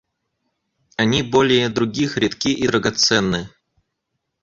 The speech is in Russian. Они более других редки и драгоценны.